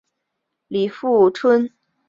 李富春随三军团殿后。